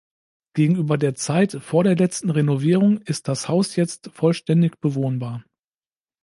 Gegenüber der Zeit vor der letzten Renovierung ist das Haus jetzt vollständig bewohnbar.